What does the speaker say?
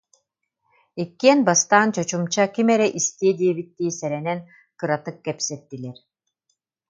Иккиэн бастаан чочумча ким эрэ истиэ диэбиттии сэрэнэн кыратык кэпсэттилэр